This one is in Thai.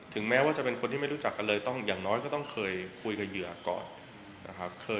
แม้ว่าจะเป็นคนที่ไม่รู้จักกันเลยต้องอย่างน้อยก็ต้องเคยคุยกับเหยื่อก่อนนะครับ